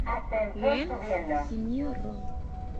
Jen, Sinjoro.